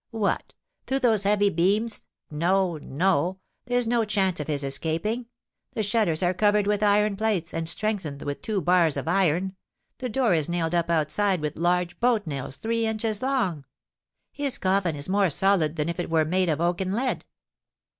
"What! Through those heavy beams? No, no, there's no chance of his escaping; the shutters are covered with iron plates and strengthened with two bars of iron, the door is nailed up outside with large boat nails three inches long. His coffin is more solid than if it were made of oak and lead."